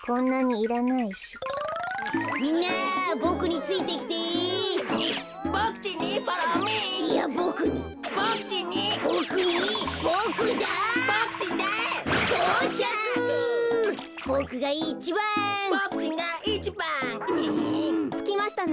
つきましたね。